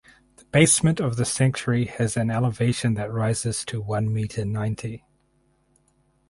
The basement of the sanctuary has an elevation that rises to one meter ninety.